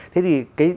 thế thì cái